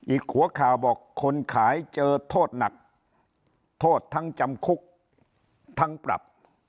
อีกหัวข่าวบอกคนขายเจอโทษหนักโทษทั้งจำคุกทั้งปรับ